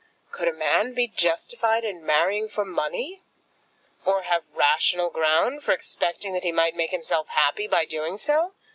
Could a man be justified in marrying for money, or have rational ground for expecting that he might make himself happy by doing so?